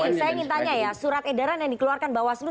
oke saya ingin tanya ya surat edaran yang dikeluarkan bawaslu